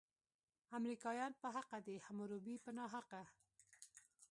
امریکایان په حقه دي، حموربي په ناحقه.